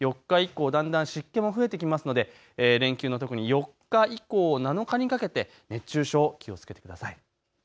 ４日以降だんだん湿気が増えてきますので連休の４日以降７日にかけて熱中症、気をつけてください。